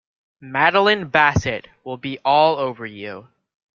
Madeline Bassett will be all over you.